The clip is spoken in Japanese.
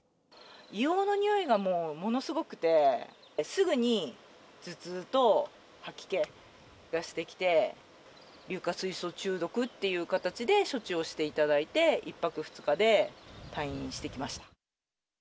硫黄の臭いがもう、ものすごくて、すぐに頭痛と吐き気がしてきて、硫化水素中毒っていう形で、処置をしていただいて、１泊２日で退院してきました。